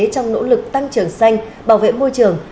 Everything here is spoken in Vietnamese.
trong nỗ lực tăng trưởng xanh bảo vệ môi trường